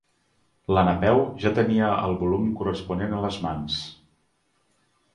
La Napeu ja tenia el volum corresponent a les mans.